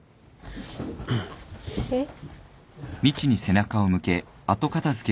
えっ？